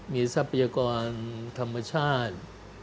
มีทรัพยากรธรรมชาติ